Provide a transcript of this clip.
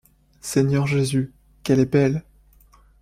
Seigneur Jésus, qu’elle est belle!